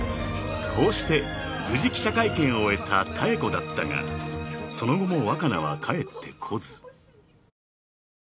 ［こうして無事記者会見を終えた妙子だったがその後も若菜は帰ってこず］